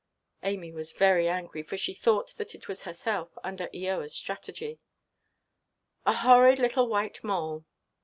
Amy was very angry, for she thought that it was herself, under Eoaʼs strategy. "A horrid little white mole."